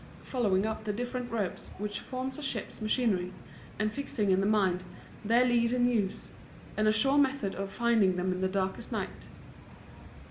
_, following up the different ropes which form a ship's machinery, and fixing in the mind their lead and use, and a sure method of finding them in the darkest night.